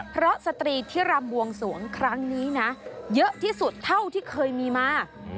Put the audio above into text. เพราะสตรีที่รำบวงสวงครั้งนี้นะเยอะที่สุดเท่าที่เคยมีมา